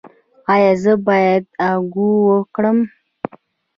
ایا زه باید اکو وکړم؟